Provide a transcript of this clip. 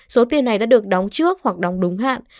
số tiền này đã được đóng trước hoặc đóng đúng hạn